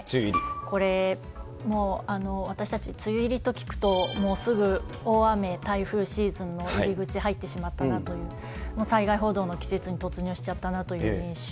これ、もう私たち、梅雨入りと聞くと、すぐ大雨、台風シーズンの入り口に入ってしまったなという、災害報道の季節に突入しちゃったなという印象。